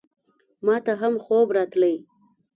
ماته هم خوب راتلی !